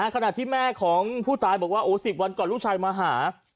ขณะที่แม่ของผู้ตายบอกว่าโอ้๑๐วันก่อนลูกชายมาหา